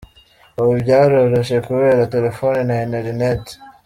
Ubu byaroroshye kubera telefoni na interneti.